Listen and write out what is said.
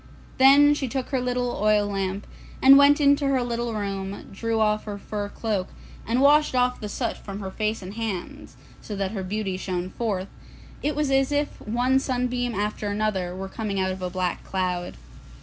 Then she took her little oil lamp, and went into her little room, drew off her fur cloak, and washed off the soot from her face and hands, so that her beauty shone forth, and it was as if one sunbeam after another were coming out of a black cloud.